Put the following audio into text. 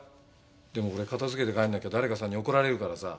でもこれ片付けて帰らなきゃ誰かさんに怒られるからさ。